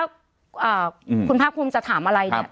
อ่าคุณพระคุมจะถามอะไรเนี้ยครับ